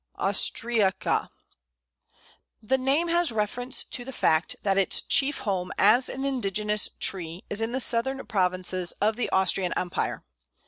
austriaca. The name has reference to the fact that its chief home as an indigenous tree is in the southern provinces of the Austrian Empire.